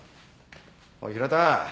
おい平田